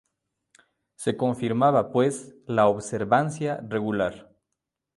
Se confirmaba, pues, la Observancia Regular.